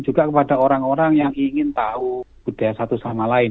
juga kepada orang orang yang ingin tahu budaya satu sama lain